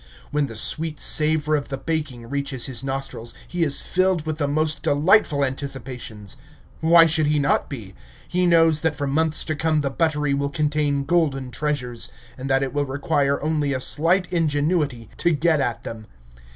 When the sweet savor of the baking reaches his nostrils, he is filled with the most delightful anticipations. Why should he not be? He knows that for months to come the buttery will contain golden treasures, and that it will require only a slight ingenuity to get at them.